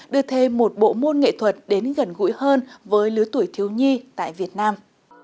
đưa thêm một bộ môn nghệ thuật đến gần gũi hơn với lứa tuổi thiếu nhi tại việt nam